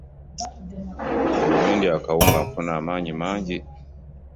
Buli wendya akawunga nfuna amanyi mangi.